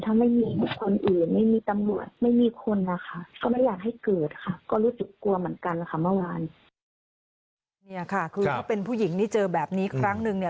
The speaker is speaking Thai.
ถ้าเป็นผู้หญิงที่เจอแบบนี้ครั้งนึง